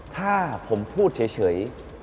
ถ้าผมพูดเฉย